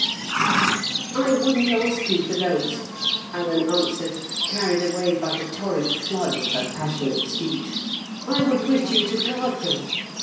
"I wouldn't ask you for those," Alan answered, carried away by the torrent flood of her passionate speech. "I would wish you to guard them.